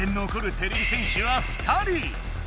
てれび戦士は２人。